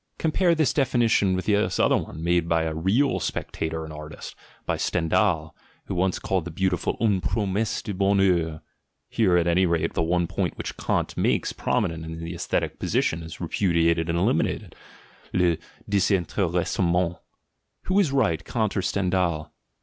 Compare this definition with this other one, made by a real "spectator" and "artist" — by Stendhal, who once called the beautiful une promesse de bonheur. Here, at any rate, the one point which Kant makes prominent in the aesthetic position is repudiated and eliminated — le desinteressement. Who is right, Kant or Stendhal?